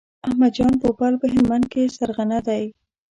احمد جان پوپل په هلمند کې سرغنه دی.